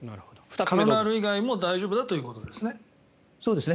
カロナール以外も大丈夫だということですね。